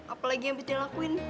apalagi abis dilakuin